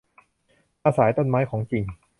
มาสายต้นไม้ของจริง